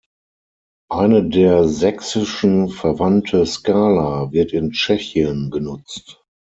Eine der sächsischen verwandte Skala wird in Tschechien genutzt.